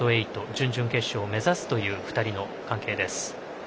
準々決勝を目指すという２人の関係です。